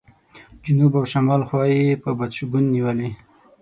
جنوب او شمال خوا یې په بد شګون نیولې.